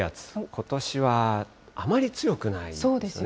ことしはあまり強くないんですよね。